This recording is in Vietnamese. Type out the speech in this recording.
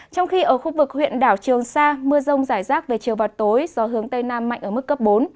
trong khi ở khu vực huyện đảo trường sa mưa rông rải rác về chiều và tối gió hướng tây nam mạnh ở mức cấp bốn